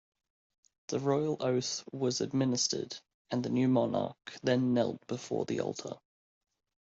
The royal oath was administered, and the new monarch then knelt before the altar.